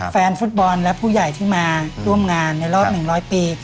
แฟนฟุตบอลและผู้ใหญ่ที่มาร่วมงานในรอบ๑๐๐ปี